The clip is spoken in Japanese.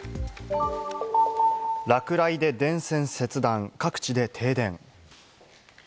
落雷で電線切断、各地で停電。